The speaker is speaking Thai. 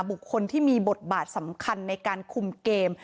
บุคคลที่มีบทบาทสำคัญในการคุมเกม